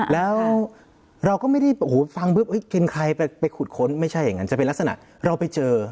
แล้วเราก็ไม่ได้ฟังปุ๊บกินใครไปขุดค้นไม่ใช่อย่างนั้นจะเป็นลักษณะเราไปเจอ